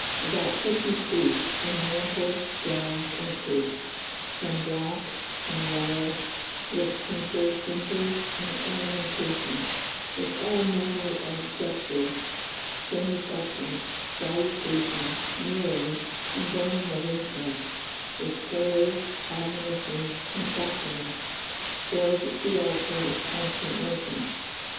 About fifty priests, in mantles, gowns, and capes, some black, some yellow, with tinseled fringes and ornamentation, with all manner of gestures, genuflections, salutations, kneelings, and burning of incense; with prayers, admonitions, and sacraments, filled the altar with constant motion.